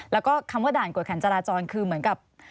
แล้วก็คำว่าด่านกวดขันจราจรคือเหมือนกับ